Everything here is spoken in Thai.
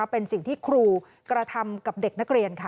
เป็นสิ่งที่ครูกระทำกับเด็กนักเรียนค่ะ